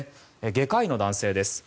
外科医の男性です。